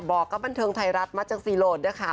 บอกกับบันเทิงไทยรัฐมาจังสีโลดด้วยค่ะ